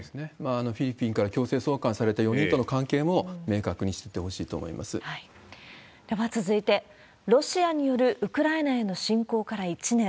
フィリピンから強制送還された４人との関係も明確にしていっでは続いて、ロシアによるウクライナへの侵攻から１年。